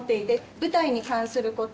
舞台に関すること